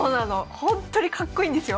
ほんとにかっこいいんですよ